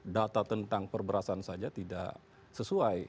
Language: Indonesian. data tentang perberasan saja tidak sesuai